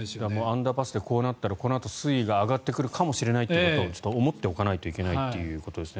アンダーパスでこうなったら、このあと水位が上がってくるかもしれないということを思っておかないといけないということですね。